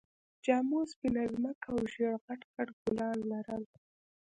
جامو سپينه ځمکه او ژېړ غټ غټ ګلان لرل